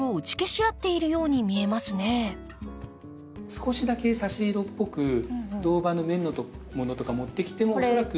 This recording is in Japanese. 少しだけ差し色っぽく銅葉の面のものとか持ってきても恐らく。